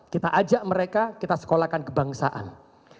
kita ajak mereka kita sekolahkan kebanyakan orang